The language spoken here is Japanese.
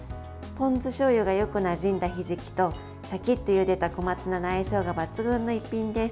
ポン酢しょうゆがよくなじんだひじきとシャキッとゆでた小松菜の相性が抜群の一品です。